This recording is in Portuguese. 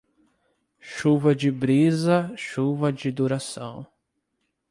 Chuva de brisa, chuva de duração.